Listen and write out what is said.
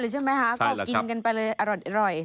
ใช่ใช่มั้ยคะกรอบกินกันไปเลยอร่อย